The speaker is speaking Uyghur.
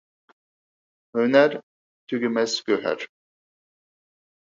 ھۆنەر – تۈگىمەس گۆھەر.